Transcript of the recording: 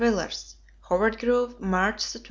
VILLARS Howard Grove, March 26.